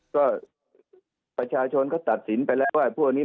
ก็ประชาชนก็ตัดสินไปว่าพวกนี้